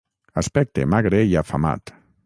Aspecte magre i afamat